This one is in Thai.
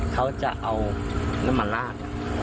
เขาจะเอาน้ำมันลาด